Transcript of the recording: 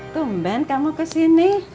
tumben kamu kesini